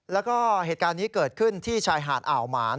แล้วก็เหตุการณ์นี้เกิดขึ้นที่ชายหาดอ่าวหมาน